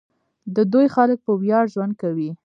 د دوی خلک په ویاړ ژوند کوي.